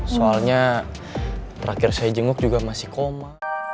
soalnya terakhir saya jenguk juga masih koma